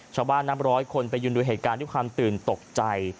ชาวบ้าน๕๐๐คนไปยืนดูเหตุการณ์ด้วยความตื่นตกใจ